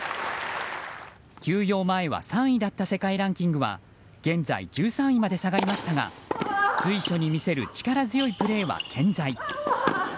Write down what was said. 休養前は３位だった世界ランクは現在１３位まで下がりましたが随所に見せる力強いプレーは健在。